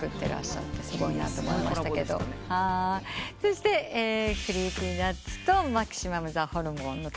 そしてＣｒｅｅｐｙＮｕｔｓとマキシマムザホルモンの対談。